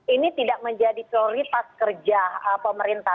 ini tidak menjadi prioritas kerja pemerintah